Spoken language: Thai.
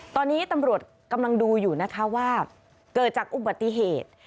ตอนนี้ตำรวจกำลังดูอยู่นะคะว่าเกิดจากอุบัติเหตุ